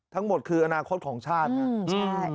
ทั้งหมดคืออนาคตของชาตินะ